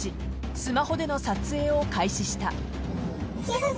［スマホでの撮影を開始した］